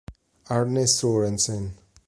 Arne Sørensen